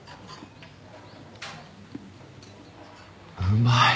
うまい！